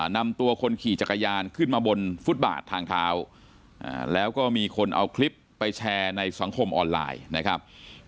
นำตัวคนขี่จักรยานขึ้นมาบนฟุตบาททางเท้าแล้วก็มีคนเอาคลิปไปแชร์ในสังคมออนไลน์นะครับ